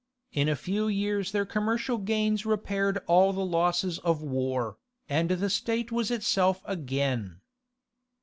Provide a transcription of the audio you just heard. In a few years their commercial gains repaired all the losses of war, and the state was itself again.